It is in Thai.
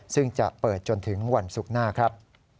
ซึ่งจะเปิดจนถึงวันศุกร์หน้าครับ